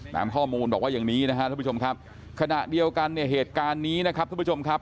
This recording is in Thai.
ข้อมูลบอกว่าอย่างนี้นะครับท่านผู้ชมครับขณะเดียวกันเนี่ยเหตุการณ์นี้นะครับทุกผู้ชมครับ